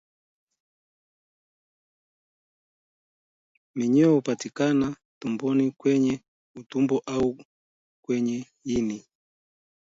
Minyoo hupatikana tumboni kwenye utumbo au kwenye ini